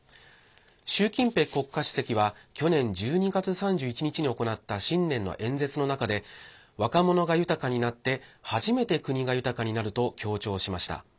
習近平国家主席は去年１２月３１日に行った新年の演説の中で若者が豊かになって初めて国が豊かになると強調しました。